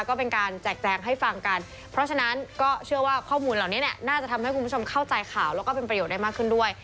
ก็เป็นการแจกแจงให้ฟังกันเพราะฉะนั้นก็เชื่อว่าข้อมูลเหล่านี้เนี่ยน่าจะทำให้คุณผู้ชมเข้าใจข่าวแล้วก็เป็นประโยชน์ได้มากขึ้นด้วย